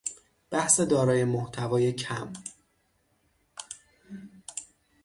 بحث دارای محتوای کم